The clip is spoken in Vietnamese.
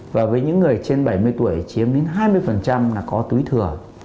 và với những người trên bảy mươi tuổi chiếm đến hai mươi là có túi thừa